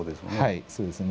はいそうですね。